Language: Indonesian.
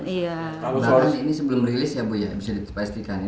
sebenernya sebelum rilis ya bu ya bisa dipastikan